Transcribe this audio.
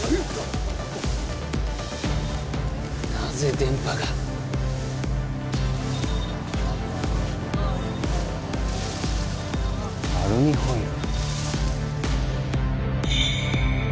なぜ電波がアルミホイル？